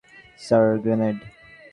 Sir, grenade.